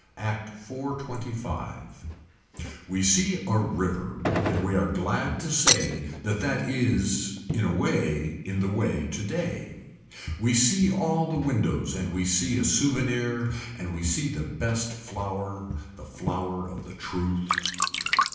Act 425. We see a river and we are glad to say that that is in a way in the way today. We see all the windows and we see a souvenir and we see the best flower. The flower of the truth.